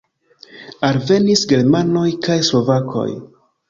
Alvenis germanoj kaj slovakoj.